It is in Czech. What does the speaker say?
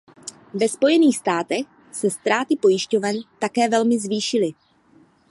Ve Spojených státech se ztráty pojišťoven také velmi zvýšily.